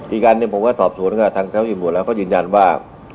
อีกอันหนึ่งผมก็สอบสวนกับทางเจ้าอิ่มหมดแล้วก็ยืนยันว่า